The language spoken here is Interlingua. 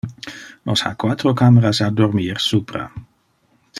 Nos ha quatro cameras a dormir supra.